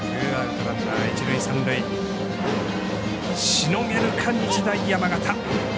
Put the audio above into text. しのげるか、日大山形。